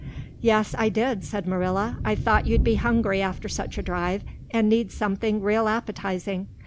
"Yes, I did," said Marilla. "I thought you'd be hungry after such a drive and need something real appetizing.